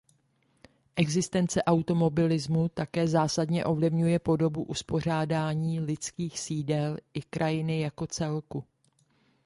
Existence automobilismu také zásadně ovlivňuje podobu uspořádání lidských sídel i krajiny jako celku.